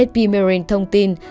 fp marine thông tin